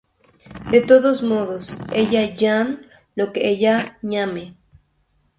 De todos modos, ella yam lo que ella ñame!